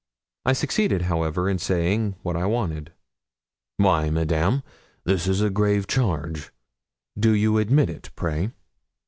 I succeeded, however, in saying what I wanted. 'Why, Madame, this is a grave charge! Do you admit it, pray?'